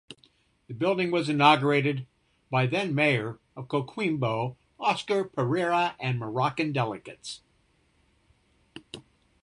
The building was inaugurated by then mayor of Coquimbo Oscar Pereira and Moroccan delegates.